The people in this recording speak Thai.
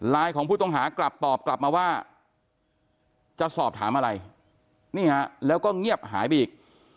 ของผู้ต้องหากลับตอบกลับมาว่าจะสอบถามอะไรนี่ฮะแล้วก็เงียบหายไปอีก